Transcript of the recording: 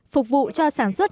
phục vụ cho sản xuất